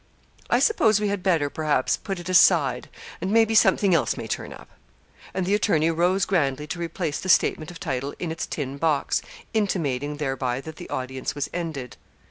I suppose we had better, perhaps, put it aside, and maybe something else may turn up.' And the attorney rose grandly to replace the statement of title in its tin box, intimating thereby that the audience was ended.